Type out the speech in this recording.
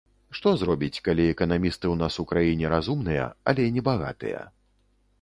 Што зробіць, калі эканамісты ў нас у краіне разумныя, але не багатыя.